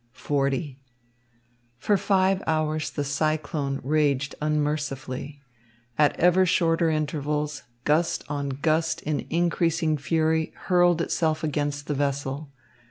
XL For five hours the cyclone raged unmercifully. At ever shorter intervals, gust on gust in increasing fury hurled itself against the vessel.